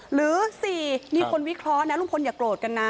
หรือ๔มีคนวิเคราะห์นะลุงพลอย่าโกรธกันนะ